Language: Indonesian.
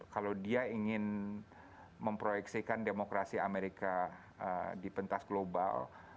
kalau dia ingin memproyeksikan demokrasi amerika di pentas global